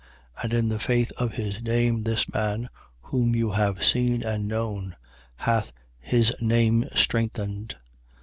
3:16. And in the faith of his name, this man, whom you have seen and known, hath his name strengthened.